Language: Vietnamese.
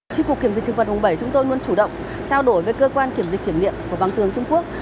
chi cục kiểm dịch thực vật vùng bảy chúng tôi luôn chủ động trao đổi với cơ quan kiểm dịch kiểm nghiệm của băng tường trung quốc